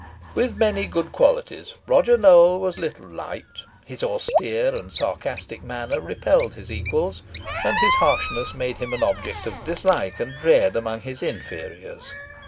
With many good qualities Roger Nowell was little liked. His austere and sarcastic manner repelled his equals, and his harshness made him an object of dislike and dread among his inferiors.